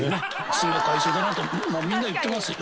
次の会長だなとみんな言ってますよ。